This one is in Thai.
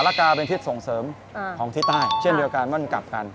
กาเป็นทิศส่งเสริมของทิศใต้เช่นเดียวกันมันกลับกัน